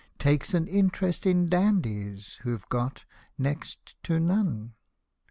Takes an interest in Dandies, who've got — next to none !